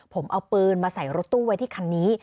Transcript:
ผมเอาปืนมาใส่รถตู้ไว้ที่คันนี้